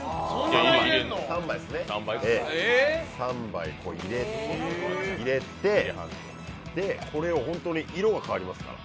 ３杯入れて、これ、色が変わりますから。